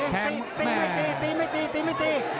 แทงแม่ตีไม่ตีตีไม่ตี